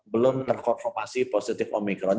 belum terkonfirmasi positif omicron